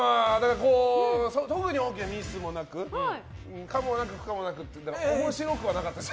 特に大きなミスもなく可もなく不可もなくというか面白くはなかったです。